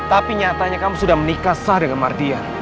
tapi nyatanya kamu sudah menikah sah dengan mardian